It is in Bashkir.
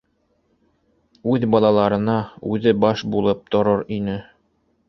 Үҙ балаларына үҙе баш булып торор ине.